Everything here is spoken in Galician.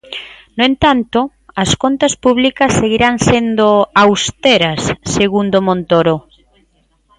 No entanto, as contas públicas seguirán sendo "austeras", segundo Montoro.